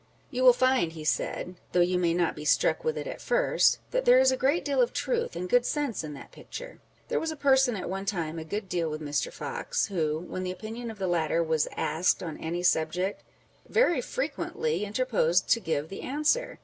" You will find," he said, 'â€¢ though you may not be struck with it at first, that there is a great deal of truth and good sense in that picture." There was a person at one time a good deal with Mr. Fox, who, when the opinion of the latter was asked on any subject, very frequently interposed to give the answer.